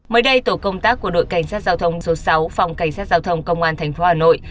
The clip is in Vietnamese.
mới đây tổ công tác của đội cảnh sát giao thông số sáu phòng cảnh sát giao thông công an tp hà nội